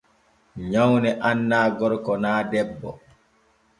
Nyawne annaa gorko naa bo debbo.